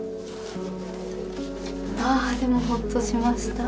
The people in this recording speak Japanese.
あでもほっとしました。